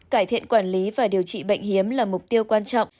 cải thiện quản lý và điều trị bệnh hiếm là mục tiêu quan trọng